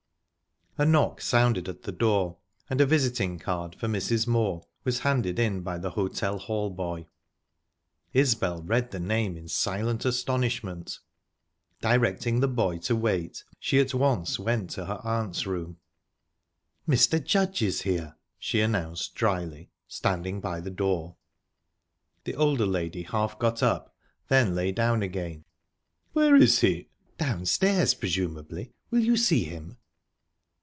A knock sounded at the door, and a visiting card for Mrs. Moor was handed in by the hotel hall boy. Isbel read the name in silent astonishment. Directing the boy to wait, she at once went to her aunt's room. "Mr. Judge is here," she announced dryly, standing by the door. The older lady half got up, then lay down again. "Where is he?" "Downstairs, presumably. Will you see him?"